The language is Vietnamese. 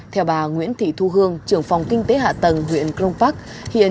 theo bà nguyễn thị thu hương trưởng phòng kinh tế hạ tầng huyện cron park hiện